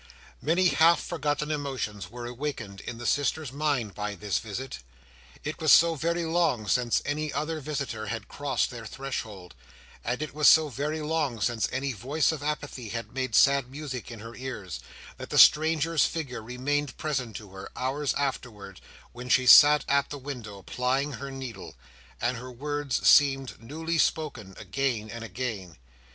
Many half forgotten emotions were awakened in the sister's mind by this visit. It was so very long since any other visitor had crossed their threshold; it was so very long since any voice of apathy had made sad music in her ears; that the stranger's figure remained present to her, hours afterwards, when she sat at the window, plying her needle; and his words seemed newly spoken, again and again.